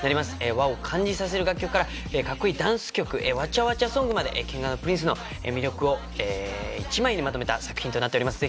和を感じさせる楽曲から格好いいダンス曲わちゃわちゃソングまでＫｉｎｇ＆Ｐｒｉｎｃｅの魅力を１枚にまとめた作品となっております。